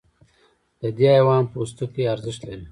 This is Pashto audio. د دې حیوان پوستکی ارزښت لري.